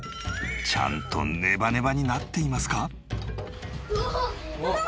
ちゃんとネバネバになっていますか？